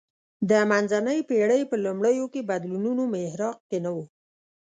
د منځنۍ پېړۍ په لومړیو کې بدلونونو محراق کې نه و